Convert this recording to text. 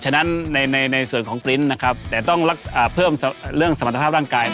ฉะนั้นในส่วนของตรงการปริ้นท์ก็เลยต้องเพิ่มเรื่องสมรรถภาพร่างกาย